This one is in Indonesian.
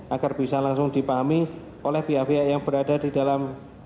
agar bisa langsung dipahami oleh pihak pihak yang berada di dalam